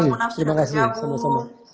terima kasih sama sama